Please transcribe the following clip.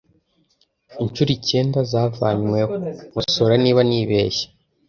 (Inshuro icyenda zavanyweho. Nkosore niba nibeshye.)